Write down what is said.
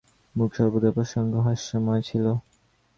মুখ সর্বদা প্রসন্ন হাস্যময় ছিল।